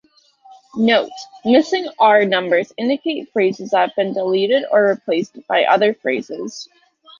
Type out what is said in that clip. "Note:" Missing R-numbers indicate phrases that have been deleted or replaced by other phrases.